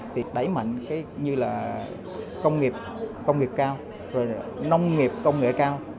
thì đẩy mạnh như là công nghiệp cao nông nghiệp công nghệ cao